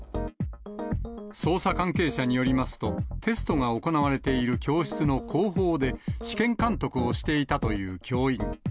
捜査関係者によりますと、テストが行われている教室の後方で、試験監督をしていたという教員。